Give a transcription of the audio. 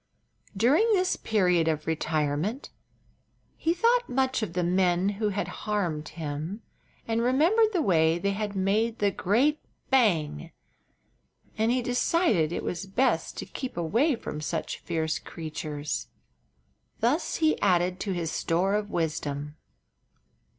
During this period of retirement he thought much of the men who had harmed him, and remembered the way they had made the great "bang!" And he decided it was best to keep away from such fierce creatures. Thus he added to his store of wisdom.